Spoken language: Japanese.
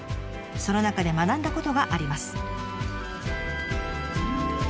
その中で学んだことがあります。